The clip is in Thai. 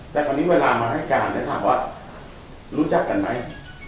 แต่คราวนี้เวลามาให้การแล้วถามว่ารู้จักกันไหม